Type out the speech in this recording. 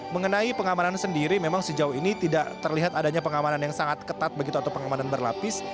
mengenai pengamanan sendiri memang sejauh ini tidak terlihat adanya pengamanan yang sangat ketat begitu atau pengamanan berlapis